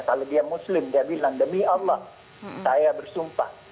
kalau dia muslim dia bilang demi allah saya bersumpah